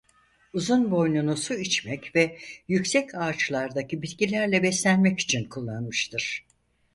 Uzun boynunu su içmek ve yüksek ağaçlardaki bitkilerle beslenmek için kullanmıştır.